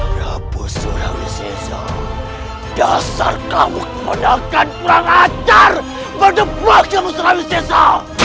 prabu surawi sesa dasar kamu menolongkan kurang ajar pada buah kamu surawi sesa